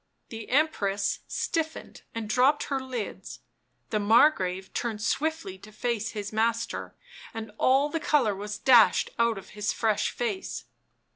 The Empress stiffened and drooped her lids; the Mar grave turned swiftly to face his master, and all the colour was dashed out of his fresh face.